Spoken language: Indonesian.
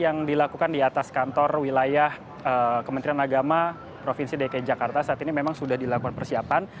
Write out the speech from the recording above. yang dilakukan di atas kantor wilayah kementerian agama provinsi dki jakarta saat ini memang sudah dilakukan persiapan